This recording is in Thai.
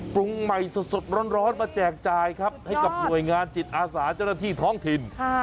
ปรุงใหม่สดร้อนมาแจกจ่ายครับให้กับหน่วยงานจิตอาสาเจ้าหน้าที่ท้องถิ่น